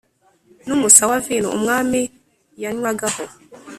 n’umusa wa vino umwami yanywagaho